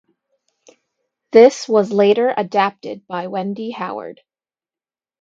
This was later adapted by Wendy Howard.